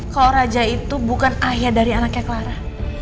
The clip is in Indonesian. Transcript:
kalau raja itu bukan ayah dari anaknya clara